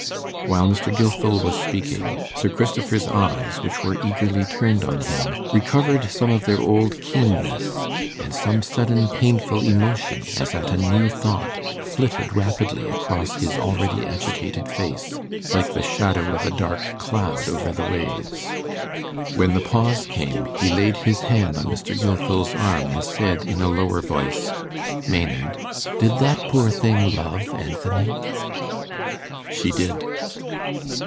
While Mr. Gilfil was speaking, Sir Christopher's eyes, which were eagerly turned on him, recovered some of their old keenness, and some sudden painful emotion, as at a new thought, flitted rapidly across his already agitated face, like the shadow of a dark cloud over the waves. When the pause came, he laid his hand on Mr. Gilfil's arm, and said in a lower voice, 'Maynard, did that poor thing love Anthony?' 'She did.